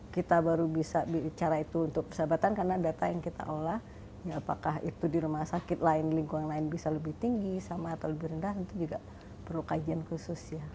kita baru bisa bicara itu untuk persahabatan karena data yang kita olah apakah itu di rumah sakit lain di lingkungan lain bisa lebih tinggi sama atau lebih rendah itu juga perlu kajian khusus ya